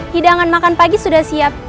hidangan makan pagi sudah siap